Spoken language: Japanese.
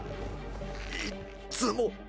いっつも。